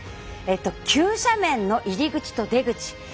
急斜面の入り口と出口。